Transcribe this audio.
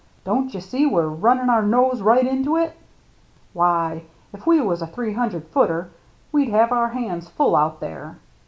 "Don't you see we're runnin' our nose right into it? Why, if we was a three hundred footer, we'd have our hands full out there.